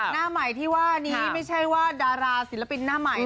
หน้าใหม่ที่ว่านี้ไม่ใช่ว่าดาราศิลปินหน้าใหม่